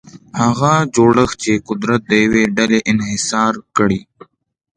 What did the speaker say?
هغه جوړښت چې قدرت د یوې ډلې انحصار کړي.